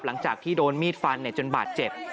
หลังจากที่โดนมีดฟันจนบาดเจ็บ